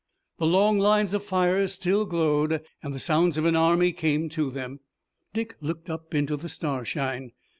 The long lines of fires still glowed, and the sounds of an army came to them. Dick looked up into the starshine.